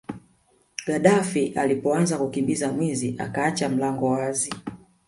Gadaffi alipoanza kumkimbiza mwizi akaacha mlango wazi